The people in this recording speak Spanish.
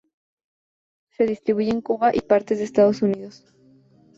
Se distribuye en Cuba y partes de Estados Unidos.